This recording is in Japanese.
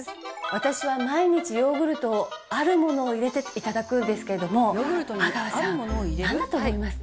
私は毎日ヨーグルトをあるものを入れて頂くんですけれども阿川さんなんだと思いますか？